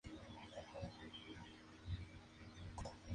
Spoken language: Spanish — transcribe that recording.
Poseen grandes ojos compuestos.